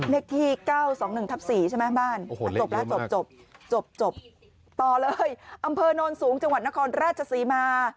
เลขที่๙๒๑๔ใช่ไหมบ้านโอ้โหเล็กเยอะมากจบต่อเลยอำเภอนอนสูงจังหวัดนครราชศรีมา